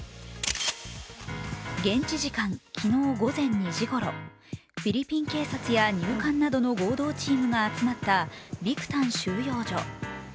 現地時間昨日午前２時ごろ、フィリピン警察や入管などの合同チームが集まったビクタン収容所。